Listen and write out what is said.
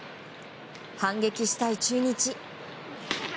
反撃したい中日。